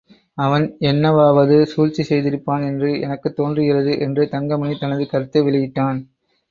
அவன் என்னவாவது சூழ்ச்சி செய்திருப்பான் என்று எனக்குத் தோன்றுகிறது என்று தங்கமணி தனது கருத்தை வெளியிட்டான்.